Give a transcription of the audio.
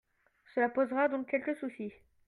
Cela posera donc quelques soucis.